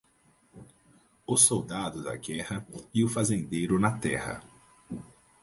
O soldado da guerra e o fazendeiro na terra.